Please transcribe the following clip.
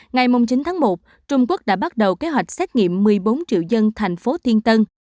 ngày chín tháng một trung quốc đã bắt đầu kế hoạch xét nghiệm một mươi bốn triệu dân thành phố thiên tân